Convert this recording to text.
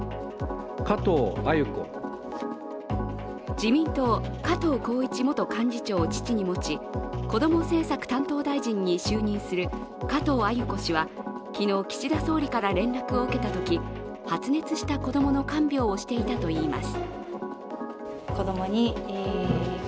自民党・加藤紘一元幹事長を父に持ち、こども政策担当大臣に就任する加藤鮎子氏は昨日、岸田総理から連絡を受けたとき発熱した子供の看病をしていたといいます。